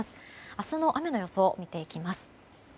明日の雨の予想を見ていきます。